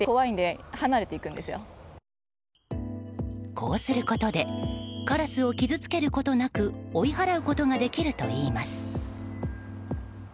こうすることでカラスを傷つけることなく追い払うことができるといいます。